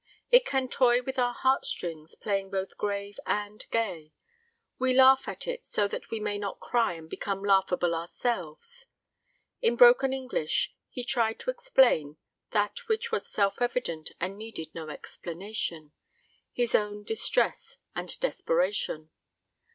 It can toy with our heart strings, playing both grave and gay. We laugh at it so that we may not cry and become laughable ourselves. In broken English, he tried to explain that which was self evident and needed no explanation his own distress and desperation.